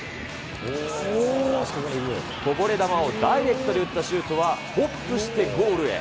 こぼれ球をダイレクトで打ったシュートはホップしてゴールへ。